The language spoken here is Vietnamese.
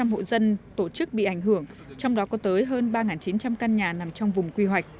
hộ dân tổ chức bị ảnh hưởng trong đó có tới hơn ba chín trăm linh căn nhà nằm trong vùng quy hoạch